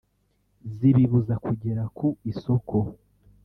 zibibuza kugera ku isoko